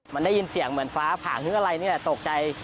มันได้ยินเสียงเหมือนฟ้าผ่างหรืออะไรนี่แหละตกใจ